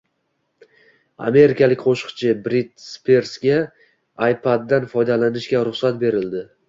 Amerikalik qo‘shiqchi Britni Spirsga iPad’dan foydalanishga ruxsat berishdi